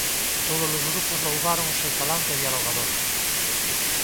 Todos os grupos louvaron o seu "talante dialogador".